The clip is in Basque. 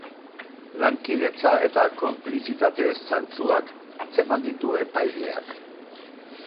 Lankidetza eta konplizitate zantzuak atzeman ditu epaileak.